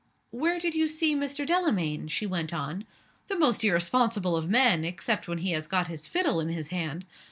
"Where did you see Mr. Delamayn?" she went on. "The most irresponsible of men, except when he has got his fiddle in his hand!